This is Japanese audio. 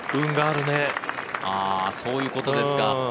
そういうことですか。